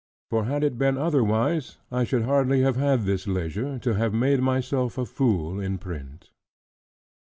For had it been otherwise, I should hardly have had this leisure, to have made myself a fool in print.